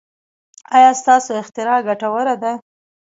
ایا ستاسو اختراع ګټوره ده؟